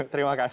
terima kasih mas